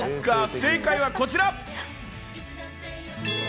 正解はこちら！